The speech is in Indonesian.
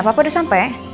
papa udah sampai